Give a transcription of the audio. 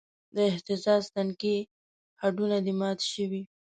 د اهتزاز تنکي هډونه دې مات شوی